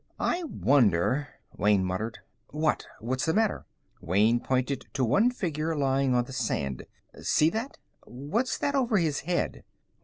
"I wonder " Wayne muttered. "What? What's the matter?" Wayne pointed to one figure lying on the sand. "See that? What's that over his head?"